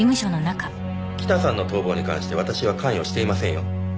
北さんの逃亡に関して私は関与していませんよ。